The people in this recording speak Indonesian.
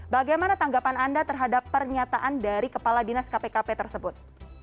bagaimana tanggapan anda terhadap pernyataan dari kepala dinas kpkp tersebut